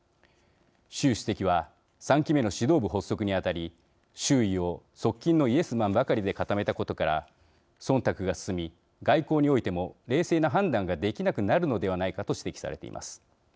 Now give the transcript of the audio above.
習主席は３期目の指導部発足にあたり周囲を側近のイエスマンばかりで固めたことからそんたくが進み外交においても冷静な判断ができなくなるのではないかと指摘されています。